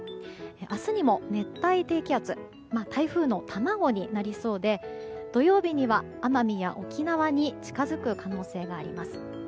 明日にも熱帯低気圧台風の卵になりそうで土曜日には奄美や沖縄に近づく可能性があります。